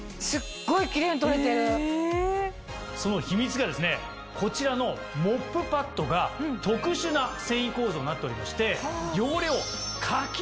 その秘密がですねこちらのモップパッドが。になっておりまして。